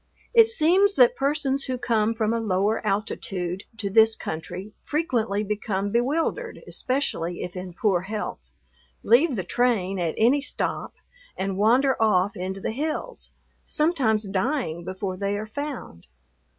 It seems that persons who come from a lower altitude to this country frequently become bewildered, especially if in poor health, leave the train at any stop and wander off into the hills, sometimes dying before they are found.